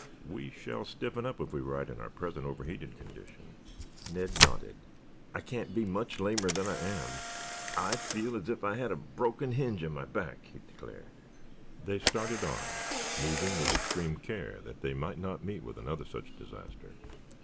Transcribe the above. "We shall stiffen up if we ride in our present overheated condition." Ned nodded. "I can't be much lamer than I am. I feel as if I had a broken hinge in my back," he declared. They started on, moving with extreme care that they might not meet with another such disaster.